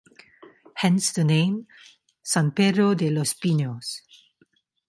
Hence the name San Pedro de los Pinos.